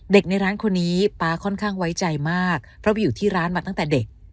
ในร้านคนนี้ป๊าค่อนข้างไว้ใจมากเพราะวิวอยู่ที่ร้านมาตั้งแต่เด็ก